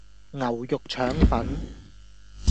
牛肉腸粉